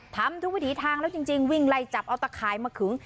ทำทุกวิถีทางแล้วจริงวิ่งไล่จับเอาตะข่ายมาขึง